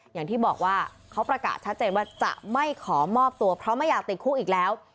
อย่างที่บอกว่าเขาประกาศชัดเจนว่าจะไม่ขอมอบตัวเพราะไม่อยากติดคุกอีกแล้ว